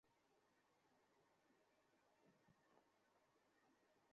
কেউ কেউ বলেন, আশি হাত।